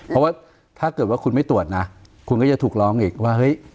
เพราะว่าถ้าเกิดว่าคุณไม่ตรวจนะคุณก็จะถูกร้องอีกว่าเฮ้ย